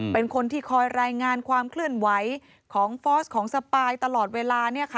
เป็นคนที่คอยรายงานความเคลื่อนไหวของฟอสของสปายตลอดเวลา